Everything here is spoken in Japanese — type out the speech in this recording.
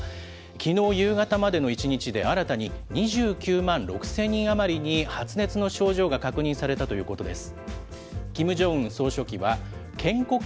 きのう夕方までの１日で新たに２９万６０００人余りに発熱の症状が確認されたということです。